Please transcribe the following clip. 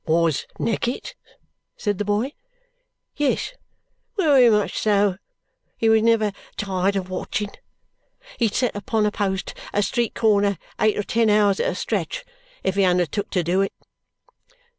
"Was Neckett?" said the boy. "Yes, wery much so. He was never tired of watching. He'd set upon a post at a street corner eight or ten hours at a stretch if he undertook to do it."